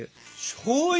しょうゆ？